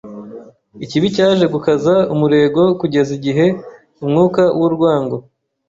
Ikibi cyaje gukaza umurego kugeza igihe umwuka w’urwango